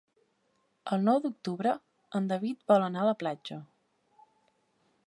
El nou d'octubre en David vol anar a la platja.